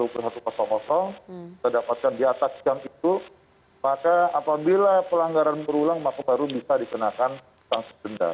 kita dapatkan di atas jam itu maka apabila pelanggaran berulang maka baru bisa dikenakan sanksi denda